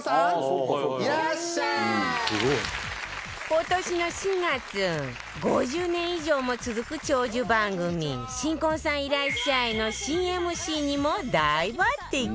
今年の４月５０年以上も続く長寿番組『新婚さんいらっしゃい！』の新 ＭＣ にも大抜擢